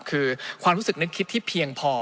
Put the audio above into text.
คือความรู้สึกนึกคิดที่เพียงพอ